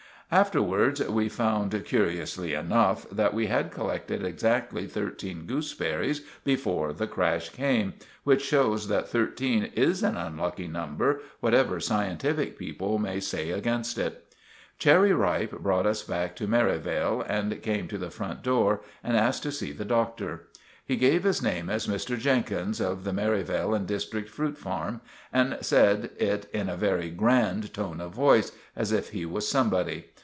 Afterwards we found, curiously enough, that we had collected exactly thirteen gooseberries before the crash came, which shows that thirteen is an unlucky number, whatever scientific people may say against it. Cherry Ripe brought us back to Merivale, and came to the front door and asked to see the Doctor. He gave his name as 'Mr. Jenkins, of the Merivale and District Fruit Farm,' and said it in a very grand tone of voice, as if he was somebody.